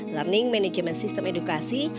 learning management system edukasi